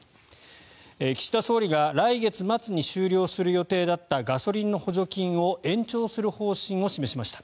岸田総理が来月末に終了する予定だったガソリンの補助金を延長する方針を示しました。